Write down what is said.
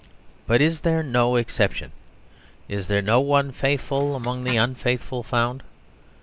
But is there no exception: is there no one faithful among the unfaithful found?